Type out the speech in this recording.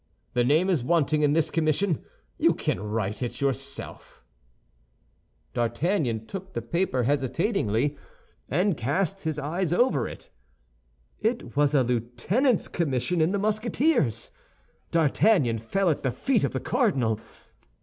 The name is wanting in this commission; you can write it yourself." D'Artagnan took the paper hesitatingly and cast his eyes over it; it was a lieutenant's commission in the Musketeers. D'Artagnan fell at the feet of the cardinal.